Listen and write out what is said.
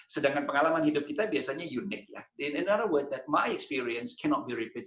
sedangkan pengalaman hidup kita biasanya unik di lain kata pengalaman saya tidak bisa diulangi dalam hidup anda